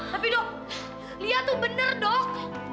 tapi dok lihat tuh bener dok